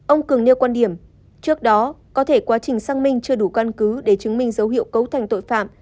ông cường nêu quan điểm trước đó có thể quá trình xác minh chưa đủ căn cứ để chứng minh dấu hiệu cấu thành tội phạm